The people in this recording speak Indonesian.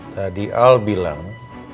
tadi al bilang